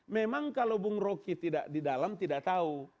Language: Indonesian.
memang kalau bung roky tidak di dalam tidak tahu